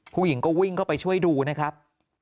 ผู้หญิงก็วิ่งเข้าไปช่วยดูนะครับ